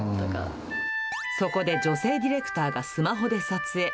そこで女性ディレクターがスマホで撮影。